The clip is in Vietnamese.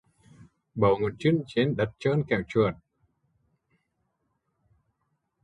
Bấu ngón chưn trên đất trơn kẻo trượt